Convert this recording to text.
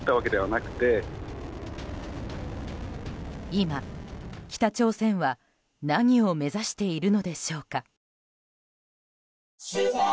今、北朝鮮は何を目指しているのでしょうか。